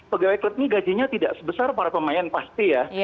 pegawai klub ini gajinya tidak sebesar para pemain pasti ya